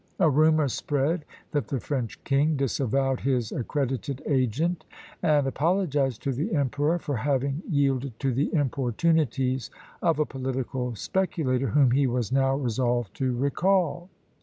A rumour spread that the French king disavowed his accredited agent, and apologised to the emperor for having yielded to the importunities of a political speculator, whom he was now resolved to recall.